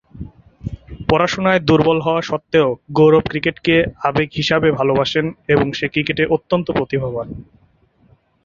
পড়াশুনায় দুর্বল হওয়া সত্ত্বেও গৌরব ক্রিকেটকে আবেগ হিসাবে ভালবাসেন এবং সে ক্রিকেটে অত্যন্ত প্রতিভাবান।